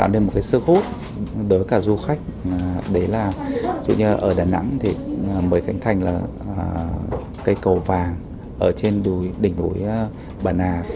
nên một cái sức hút đối với cả du khách đấy là dù như ở đà nẵng thì mới cảnh thành là cây cầu vàng ở trên đỉnh núi bà nà